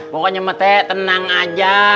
pokoknya mette tenang aja